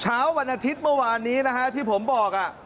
ช้าวันอาทิตย์เมื่อกี้ที่ผมบอก